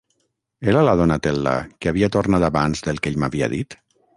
Era la Donatella que havia tornat abans del que ell m'havia dit?